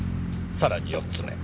さらに４つ目。